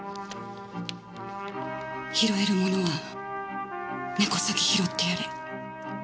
拾えるものは根こそぎ拾ってやれ。